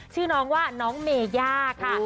ชื่อน้องว่าน้องเมย่าค่ะ